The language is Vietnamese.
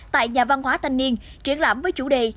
tại nhà văn hóa thanh niên triển lãm với chủ đề